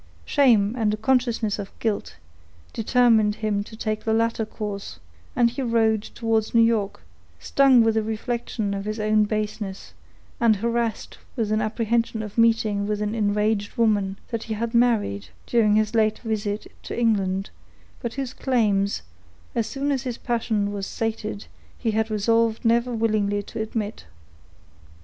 Shame, and a consciousness of guilt, determined him to take the latter course, and he rode towards New York, stung with the reflection of his own baseness, and harassed with the apprehension of meeting with an enraged woman, that he had married during his late visit to England, but whose claims, as soon as his passion was sated, he had resolved never willingly to admit.